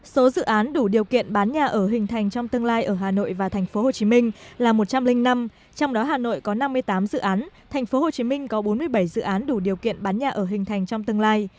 số dự án đủ điều kiện bán nhà ở hình thành trong tương lai ở hà nội và tp hcm là một trăm linh năm trong đó hà nội có năm mươi tám dự án tp hcm có bốn mươi bảy dự án đủ điều kiện bán nhà ở hình thành trong tương lai